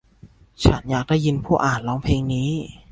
ฉันอยากได้ยินผู้อ่านร้องเพลงนี้